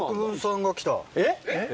えっ？